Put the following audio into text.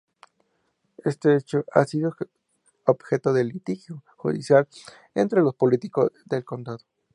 Este hecho ha sido objeto de litigio judicial entre los políticos del condado.